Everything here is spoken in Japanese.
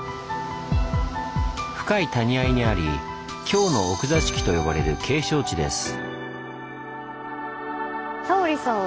深い谷あいにあり「京の奥座敷」と呼ばれる景勝地です。